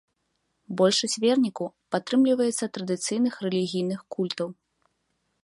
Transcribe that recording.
Большасць вернікаў прытрымліваецца традыцыйных рэлігійных культаў.